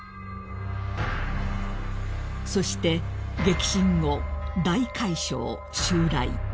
［そして「激震後大海嘯襲来」］